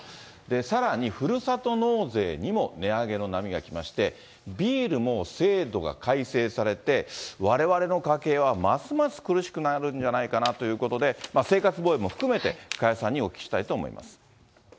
さらに、ふるさと納税にも値上げの波が来まして、ビールも制度が改正されて、われわれの家計はますます苦しくなるんじゃないかなということで、生活防衛も含めて、加谷さんにお伺いしたいと思います。